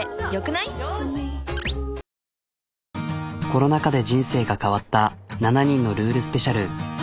コロナ禍で人生が変わった７人のルールスペシャル。